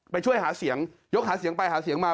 ช่วยหาเสียงยกหาเสียงไปหาเสียงมา